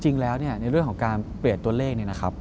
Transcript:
จริงแล้วเนี่ยในเรื่องของการเปลี่ยนตัวเลขเนี่ยนะครับ